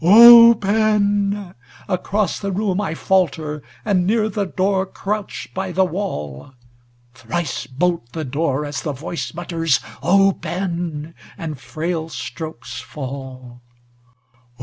"Open!" Across the room I falter, And near the door crouch by the wall; Thrice bolt the door as the voice mutters "Open!" and frail strokes fall.